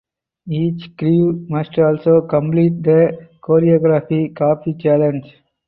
Each crew must also complete the Choreography Copy Challenge.